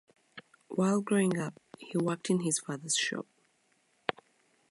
While growing up, he worked in his father's shop.